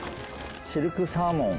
シルクサーモン